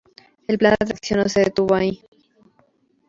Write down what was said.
El plan de atracción no se detuvo ahí.